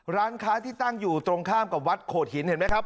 ร้านค้าที่ตั้งอยู่ตรงข้ามกับวัดโขดหินเห็นไหมครับ